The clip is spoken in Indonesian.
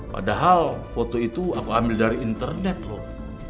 padahal foto itu aku ambil dari internet loh